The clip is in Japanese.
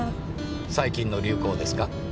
最近の流行ですか？